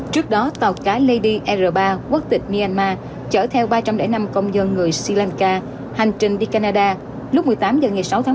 trước đó tàu cá lady r ba quốc tịch myanmar chở theo ba trăm linh năm công dân người sri lanka hành trình đi canada lúc một mươi tám h ngày sáu tháng một mươi một